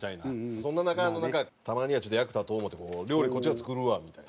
そんな中なんかたまにはちょっと役立とう思って料理こっちが作るわみたいな。